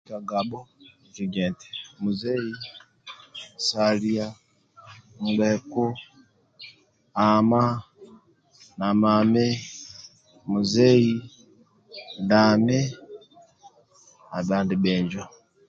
Kagabhu kigia eti muzei salia nkpeku ama namami muzei dami aba andi bhinjo